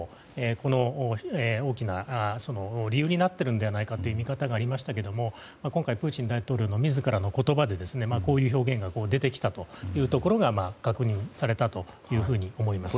この大きな理由になっているのではないかという見方がありましたが今回、プーチン大統領の自らの言葉でこういう表現が出てきたというところが確認されたというふうに思います。